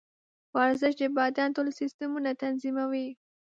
ورزش د بدن ټول سیسټمونه تنظیموي.